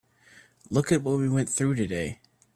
Look at what we went through today.